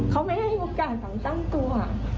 เขาไม่ให้โอกาสฝังตั้งตัว